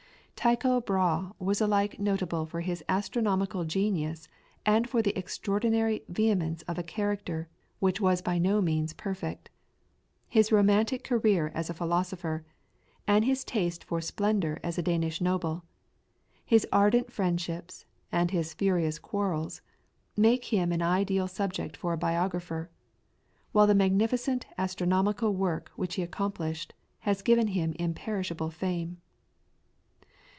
Tycho Brahe was alike notable for his astronomical genius and for the extraordinary vehemence of a character which was by no means perfect. His romantic career as a philosopher, and his taste for splendour as a Danish noble, his ardent friendships and his furious quarrels, make him an ideal subject for a biographer, while the magnificent astronomical work which he accomplished, has given him imperishable fame.